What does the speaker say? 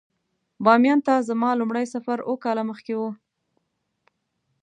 باميان ته زما لومړی سفر اووه کاله مخکې و.